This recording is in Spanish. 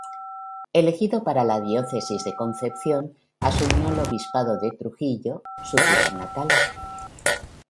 Elegido para la diócesis de Concepción, asumió el obispado de Trujillo, su ciudad natal.